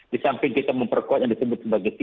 di samping kita memperkuat yang disebut sebagai tiga c